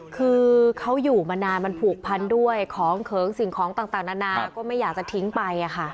คือเขาอยู่มานานมันผูกพันด้วยของเขิงสิ่งของต่างนานาก็ไม่อยากจะทิ้งไป